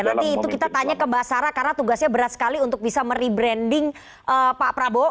nanti itu kita tanya ke mbak sarah karena tugasnya berat sekali untuk bisa merebranding pak prabowo